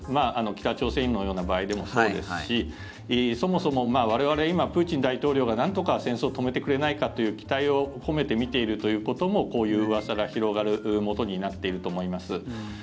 北朝鮮のような場合でもそうですしそもそも我々、今プーチン大統領がなんとか戦争を止めてくれないかという期待を込めて見ているということもこういううわさが広がるもとになっていると思います。